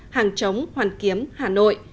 hàng chống hoàn kiếm hà nội